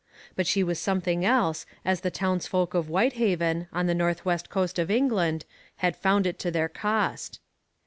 But she was something else, as the townsfolk of Whitehaven, on the north west coast of England, had found it to their cost.